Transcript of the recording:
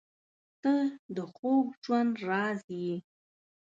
• ته د خوږ ژوند راز یې.